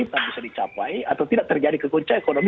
tetap bisa dicapai atau tidak terjadi kekunca ekonomi